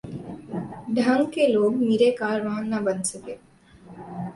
ڈھنگ کے لوگ میر کارواں نہ بن سکے۔